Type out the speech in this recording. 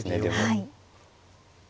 はい。